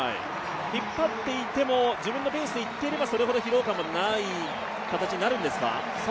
引っ張っていても、自分のペースでいっていればそれほど疲労感もない形になるんですか？